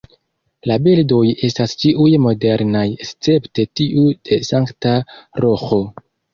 La bildoj estas ĉiuj modernaj escepte tiu de Sankta Roĥo.